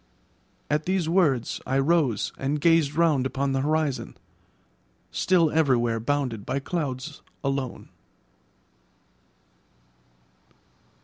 At these words I rose and gazed round upon the horizon, still everywhere bounded by clouds alone.